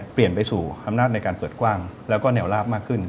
เปลี่ยนไปสู่อำนาจในการเปิดกว้างแล้วก็แนวลาบมากขึ้น